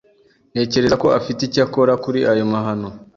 Ntekereza ko afite icyo akora kuri ayo mahano.